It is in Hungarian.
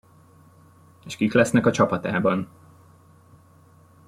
És kik lesznek a csapatában?